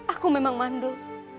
aku memang mandul